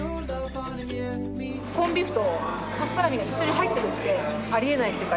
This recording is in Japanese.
コンビーフとパストラミが一緒に入ってるってありえないっていうか